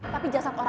tapi jasadnya bella